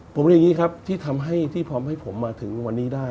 ผมอย่างนี้ครับที่ทำให้ที่พร้อมให้ผมมาถึงวันนี้ได้